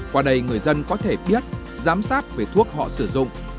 qua đây người dân có thể biết giám sát về thuốc họ sử dụng